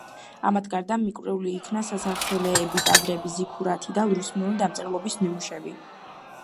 ამათ გარდა მიკვლეულ იქნა სასახლეები, ტაძრები, ზიქურათი და ლურსმნული დამწერლობის ნიმუშები.